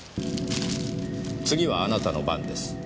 「次はあなたの番です。